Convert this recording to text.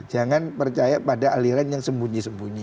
jangan percaya pada aliran yang sembunyi sembunyi